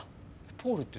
「ポール」って。